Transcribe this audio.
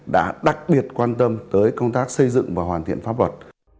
đã đặc biệt quan tâm tới công tác xây dựng và hoàn thiện pháp luật